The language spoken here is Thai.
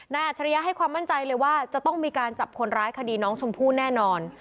อัจฉริยะให้ความมั่นใจเลยว่าจะต้องมีการจับคนร้ายคดีน้องชมพู่แน่นอน